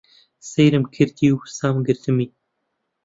سەیرم کردی و سام گرتمی.